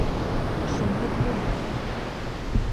Шунһыҙ булмай.